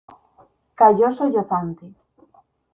calló sollozante.